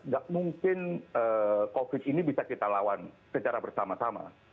gak mungkin covid ini bisa kita lawan secara bersama sama